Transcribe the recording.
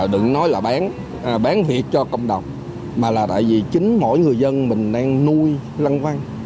đừng nói là bán việc cho cộng đồng mà là tại vì chính mỗi người dân mình đang nuôi lăn quăng